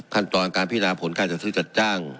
ขั้นตอนการพินาผลการจัดซื้อจัดจ้าง